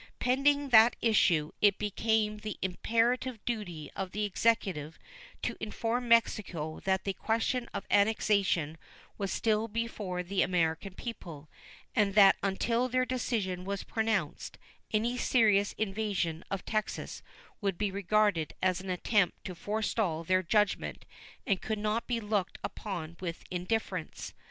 Pending that issue it became the imperative duty of the Executive to inform Mexico that the question of annexation was still before the American people, and that until their decision was pronounced any serious invasion of Texas would be regarded as an attempt to forestall their judgment and could not be looked upon with indifference.